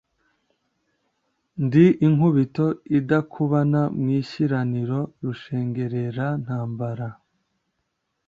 ndi inkubito idakubana mu ishiraniro, rushengererantambara,